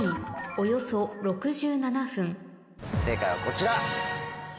正解はこちら。